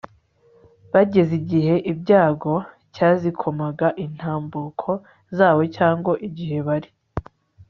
bageze igihe ibyago cyazikomaga intambuko zabo cyangwa igihe bari